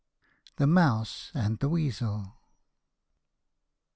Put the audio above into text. THE MOUSE AND THE WEASEL.